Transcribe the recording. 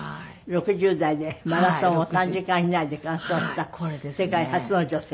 ６０代でマラソンを３時間以内で完走をした世界初の女性。